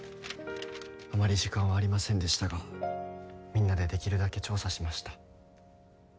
あまり時間はありませんでしたがみんなでできるだけ調査しました。